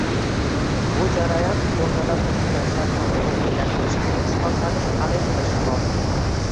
Bu jarayon o‘rtada tuzilgan shartnomaga o‘zgartirish kiritish orqali hal etilishi lozim.